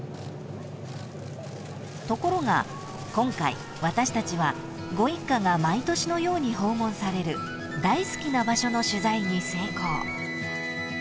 ［ところが今回私たちはご一家が毎年のように訪問される大好きな場所の取材に成功］